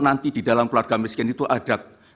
nanti di dalam keluarga miskin itu ada